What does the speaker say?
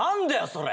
それ！